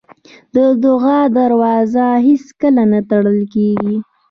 د دعا دروازه هېڅکله نه تړل کېږي.